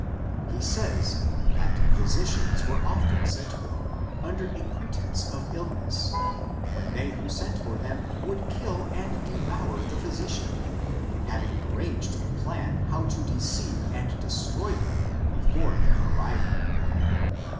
He says, that physicians were often sent for, under a pretense of illness, when they who sent for them would kill and devour the physician, having arranged the plan how to deceive and destroy them before their arrival.